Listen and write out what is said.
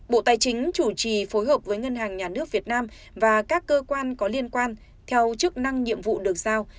bộ tài chính chủ trì phối hợp với ngân hàng nhà nước việt nam và các cơ quan có liên quan theo chức năng nhiệm vụ được giao